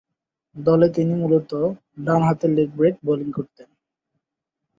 দলে তিনি মূলতঃ ডানহাতে লেগ ব্রেক বোলিং করতেন।